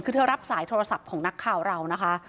คือเธอรับสายโทรศัพท์ของนักข่าวเรานะคะ